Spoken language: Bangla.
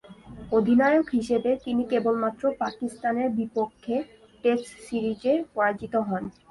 অধিনায়ক হিসেবে তিনি কেবলমাত্র পাকিস্তানের বিপক্ষে টেস্ট সিরিজে পরাজিত হন।